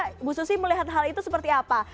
ibu susi melihat hal itu seperti apa